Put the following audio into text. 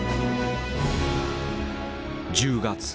１０月。